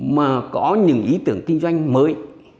mà có những ý tưởng kinh doanh mới